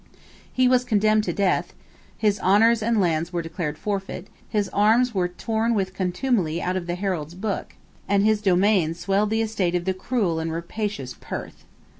He was condemned to death: his honours and lands were declared forfeit: his arms were torn with contumely out of the Heralds' book; and his domains swelled the estate of the cruel and rapacious Perth.